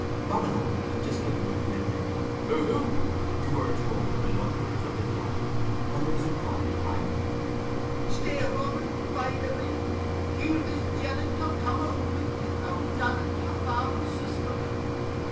Robin Oig had just given the preliminary "Hoo hoo!" to urge forward the loiterers of the drove, when there was a cry behind him. "Stay, Robin bide a blink. Here is Janet of Tomahourich auld Janet, your father's sister."